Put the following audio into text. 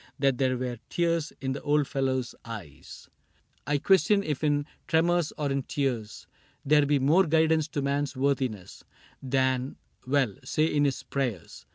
That there were tears in the old fellow's eyes. i CAPTAIN CRAIG ii I question if in tremors or in tears There be more guidance to man's worthiness Than — well, say in his prayers.